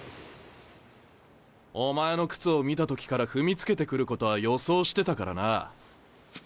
お前の靴を見た時から踏みつけてくることは予想してたからな。